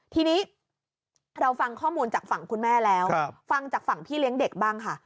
ทีนี้เราฟังข้อมูลจากฝั่งคุณแม่แล้วฟังจากฝั่งพี่เลี้ยงเด็กบ้างค่ะ